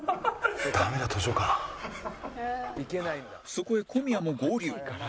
そこへ小宮も合流